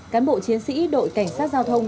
cán bộ chiến sĩ đội cảnh sát giao thông